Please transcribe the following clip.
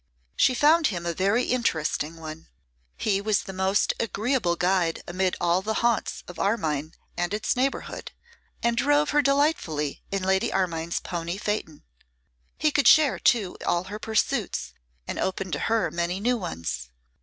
She found him a very interesting one. He was the most agreeable guide amid all the haunts of Armine and its neighbourhood, and drove her delightfully in Lady Armine's pony phaeton. He could share, too, all her pursuits, and open to her many new ones.